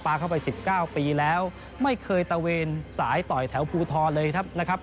เข้าไป๑๙ปีแล้วไม่เคยตะเวนสายต่อยแถวภูทรเลยครับนะครับ